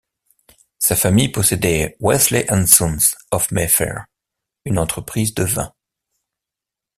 Sa famille possédait Wheatley & Son of Mayfair, une entreprise de vins.